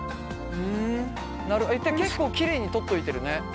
ふん結構キレイに取っといてるね。